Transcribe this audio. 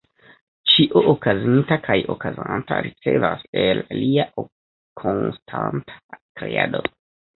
Ĉio okazinta kaj okazanta ricevas el lia konstanta kreado.